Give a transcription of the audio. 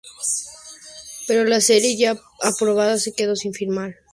Pero la serie, ya aprobada, se quedó sin filmar.